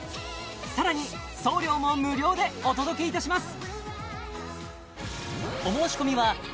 さらに送料も無料でお届けいたします